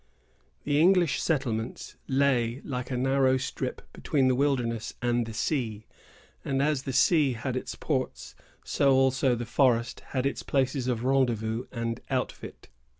The English settlements lay like a narrow strip between the wilderness and the sea, and, as the sea had its ports, so also the forest had its places of rendezvous and outfit.